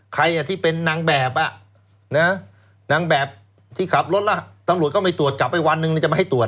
ใครที่เป็นนางแบบนางแบบที่ขับรถล่ะตำรวจก็ไม่ตรวจกลับไปวันหนึ่งจะมาให้ตรวจ